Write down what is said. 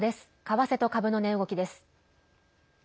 為替と株の値動きです。